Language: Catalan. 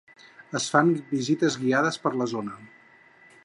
Es fan visites guiades per la zona.